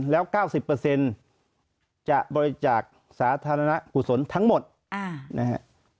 แล้วเก้าสิบเปอร์เซ็นต์จะบริจาคสาธารณะขุดสนทั้งหมดอ่านะฮะ